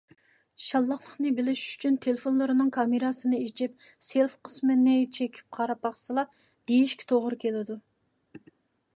شاللاقلىقنى بىلىش ئۈچۈن تېلېفونلىرىنىڭ كامېراسىنى ئېچىپ self قىسمىنى چېكىپ قاراپ باقسىلا، دېيشكە توغرا كېلىدۇ.